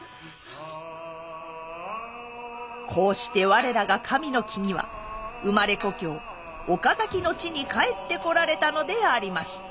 こうして我らが神の君は生まれ故郷岡崎の地に帰ってこられたのでありました。